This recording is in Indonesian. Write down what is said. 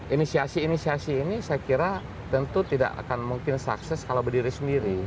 inisiasi inisiasi ini saya kira tentu tidak akan mungkin sukses kalau berdiri sendiri